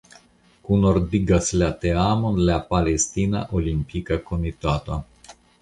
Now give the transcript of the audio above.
Kunordigas la teamon la Palestina Olimpika Komitato.